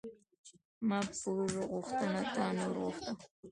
ـ ما پور غوښته تا نور غوښته.